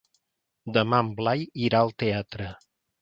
Demà en Blai irà al teatre.